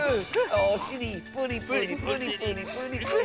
おしりプリプリプリプリプリプリ。